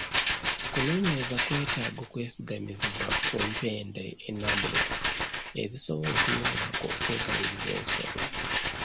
Okunoonyereza kwetaaga okwesigamizibwa ku mpenda ennambulukufu ezisobola okuyimwako okwekaliriza ensonga.